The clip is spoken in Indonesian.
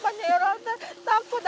mereka akan takut aku mati